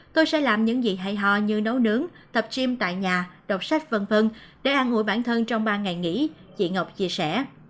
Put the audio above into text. tôi sẽ làm những gì hay ho như nấu nướng tập chim tại nhà đọc sách v v để ăn hội bản thân trong ba ngày nghỉ chị ngọc chia sẻ